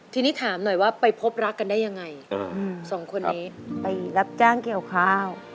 ทีนี้ถามหน่อยว่าไปพบรักกันได้ยังไงสองคนนี้ไปรับจ้างเกี่ยวข้าว